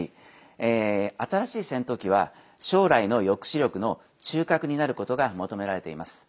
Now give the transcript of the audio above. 新しい戦闘機は将来の抑止力の中核になることが求められています。